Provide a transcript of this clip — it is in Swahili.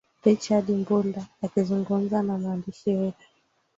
richard mbunda akizungumza na mwandishi wetu